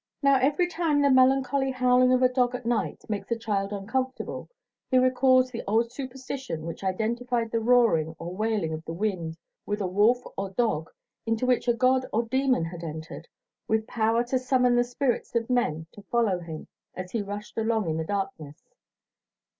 Now, every time the melancholy howling of a dog at night makes a child uncomfortable, he recalls the old superstition which identified the roaring or wailing of the wind with a wolf or dog into which a god or demon had entered, with power to summon the spirits of men to follow him as he rushed along in the darkness.